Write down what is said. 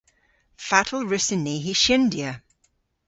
Fatel wrussyn ni hy shyndya?